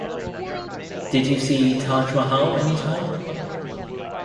Did you see Taj Mahal anytime?